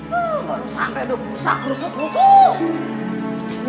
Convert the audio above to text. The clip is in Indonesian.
baru sampe udah gusak gusuk gusuk